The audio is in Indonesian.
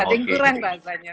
ada yang kurang rasanya